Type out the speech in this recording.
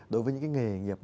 đối với những cái nghề nghiệp